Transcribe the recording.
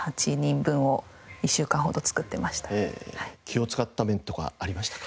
気を使った面とかありましたか？